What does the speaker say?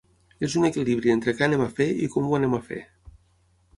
És un equilibri entre què anem a fer i com ho anem a fer.